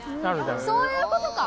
そういうことか！